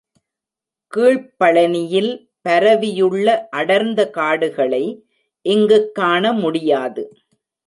கீழ்ப்பழனியில் பரவியுள்ள அடர்ந்த காடுகளை இங்குக் காணமுடியாது.